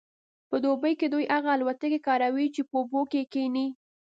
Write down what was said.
په دوبي کې دوی هغه الوتکې کاروي چې په اوبو کیښني